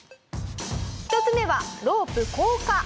「１つ目はロープ降下」